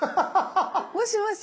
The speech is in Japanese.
もしもし。